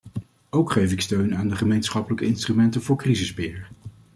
Ook geef ik steun aan de gemeenschappelijke instrumenten voor crisisbeheer.